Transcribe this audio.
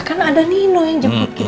kan ada nino yang jemput kita